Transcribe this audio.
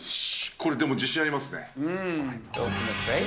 これでも、自信ありますね。